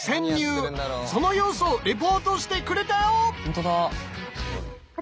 その様子をリポートしてくれたよ！